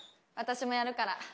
私もやるから。